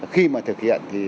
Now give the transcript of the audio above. khi mà thực hiện thì